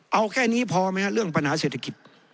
เอาแค่นี้พอไหมครับเรื่องปัญหาเศรษฐกิจ